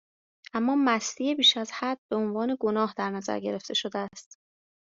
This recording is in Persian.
اما مستی بیشازحد، بهعنوان گناه در نظر گرفته شده است